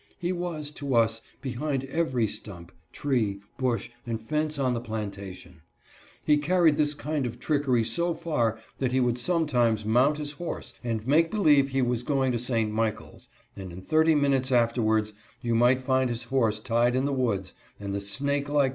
He was, to us, behind every stump, tree, bush, and fence on the plantation. He carried this kind of trickery so far that he would sometimes mount his horse and make believe he was going to St. Michaels, and in thirty minutes afterwards you might find his horse tied in the woods, and the snake like